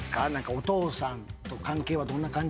お父さんと関係はどんな感じ？